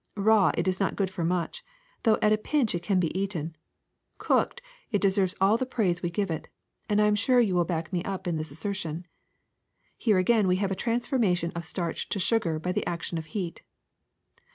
Raw it is not good for much, though at a pinch it can be eaten ; cooked, it deserves all the praise we give it, and I am sure you will back me up in this as sertion. Here again we have a transformation of starch to sugar by the action of heat.